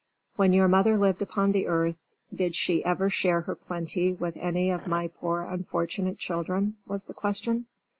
"When your mother lived upon the earth did she ever share her plenty with any of my poor unfortunate children?" was the question.